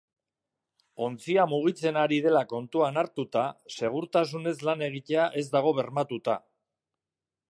Ontzia mugitzen ari dela kontuan hartuta, segurtasunez lan egitea ez dago bermatuta.